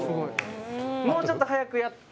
もうちょっと速くやって。